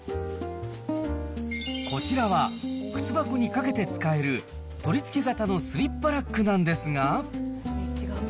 こちらは靴箱にかけて使える、取り付け型のスリッパラックなんですが。